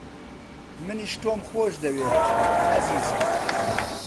منیش تۆم خۆش دەوێت، ئازیزم.